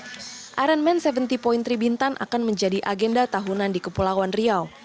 diharapkan setiap tahun bintan akan menjadi agenda tahunan di kepulauan riau